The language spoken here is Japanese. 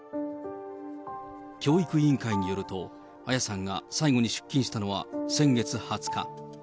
教育委員会によると、彩さんが最後に出勤したのは先月２０日。